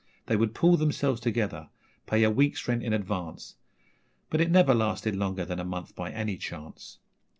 They would pull themselves together, pay a week's rent in advance, But it never lasted longer than a month by any chance.